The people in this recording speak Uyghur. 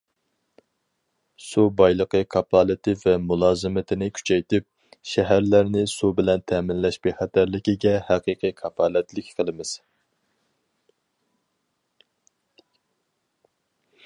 سۇ بايلىقى كاپالىتى ۋە مۇلازىمىتىنى كۈچەيتىپ، شەھەرلەرنى سۇ بىلەن تەمىنلەش بىخەتەرلىكىگە ھەقىقىي كاپالەتلىك قىلىمىز.